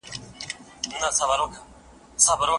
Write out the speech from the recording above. پارلمان د تابعیت قانون نه سختوي.